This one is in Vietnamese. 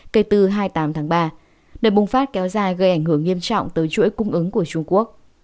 kể từ hai mươi tám tháng ba đợt bùng phát kéo dài gây ảnh hưởng nghiêm trọng tới chuỗi cung ứng của trung quốc